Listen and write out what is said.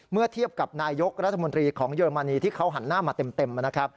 เมื่อเทียบกับนายกรัฐมนตรีของเยอรมนีที่เขาหันหน้ามาเต็มนะครับ